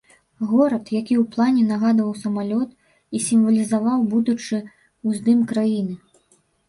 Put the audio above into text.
Горад, які ў плане нагадваў самалёт і сімвалізаваў будучы ўздым краіны.